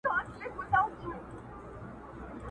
د چغال د پاچهی ډېوه یې مړه کړه٫